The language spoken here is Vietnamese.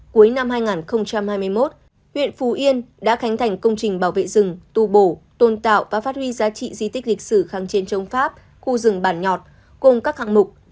cuối năm hai nghìn hai mươi một huyện phù yên đã khánh thành công trình bảo vệ rừng tu bổ tôn tạo và phát huy giá trị di tích lịch sử kháng chiến chống pháp khu rừng bản nhọt cùng các hạng mục